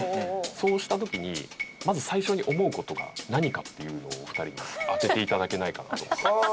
そうした時にまず最初に思う事が何かっていうのをお二人に当てて頂けないかなと思ってます。